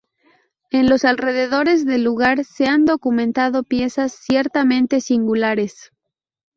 En los alrededores del lugar se han documentado piezas ciertamente singulares.